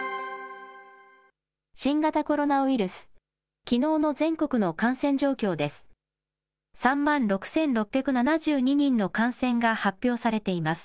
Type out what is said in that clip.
新型コロナウイルス、きのうの全国の感染状況です。